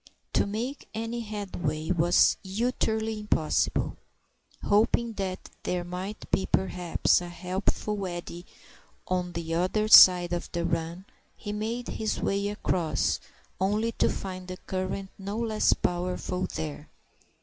To make any headway was utterly impossible. Hoping that there might be, perhaps, a helpful eddy on the other side of the run, he made his way across, only to find the current no less powerful there.